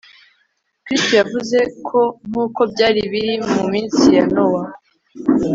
kristo yavuze ko nk'uko byari biri mu minsi ya nowa